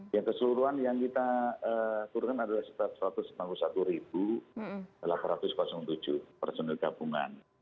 yang keseluruhan yang kita turunkan adalah satu ratus sembilan puluh satu delapan ratus tujuh personil gabungan